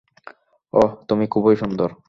অহ, তুমি খুবই সুন্দর।